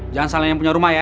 jangan salahnya punya rumah ya